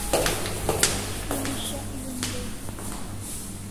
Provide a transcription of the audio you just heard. Emi shak zun dai